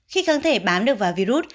khi kháng thể bám được vào virus